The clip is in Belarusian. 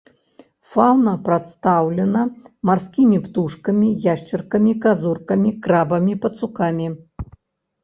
Фаўна прадстаўлена марскімі птушкамі, яшчаркамі, казуркамі, крабамі, пацукамі.